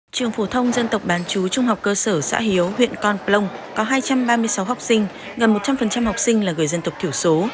trường phổ thông dân tộc bán chú trung học cơ sở xã hiếu huyện con plông có hai trăm ba mươi sáu học sinh gần một trăm linh học sinh là người dân tộc thiểu số